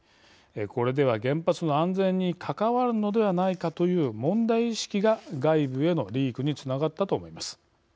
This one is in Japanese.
これでは原発の安全に関わるのではないかという問題意識が外部へのリークにつながったと思います。